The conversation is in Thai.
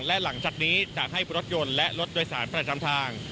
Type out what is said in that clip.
และหลังจากนี้จะให้รถยนต์และรถโดยสารประจำทาง